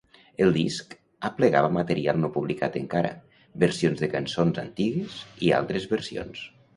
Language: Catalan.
El disc aplegava material no publicat encara, versions de caçons antigues i altres versions.